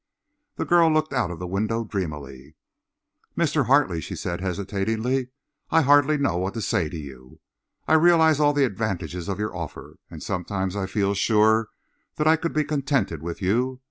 The girl looked out the window dreamily. "Mr. Hartley," she said hesitatingly, "I hardly know what to say to you. I realize all the advantages of your offer, and sometimes I feel sure that I could be contented with you.